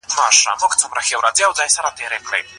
تحفې ورکول واجب عمل نه دی.